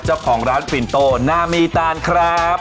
เจ้าของร้านปินโตนามีตานครับ